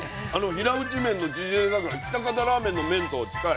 平打ち麺の縮れ方が喜多方ラーメンの麺と近い。